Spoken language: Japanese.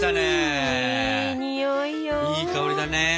いい香りだね。